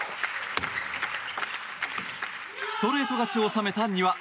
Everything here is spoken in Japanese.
ストレート勝ちを収めた丹羽。